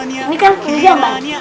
ini kan kuliah banget